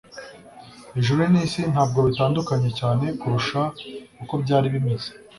Ijuru n'isi ntabwo bitandukanye cyane kurusha uko byari bimeze